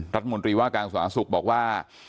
รัฐมนตรีว่ากลางสวนศักดิ์สุขบอกว่า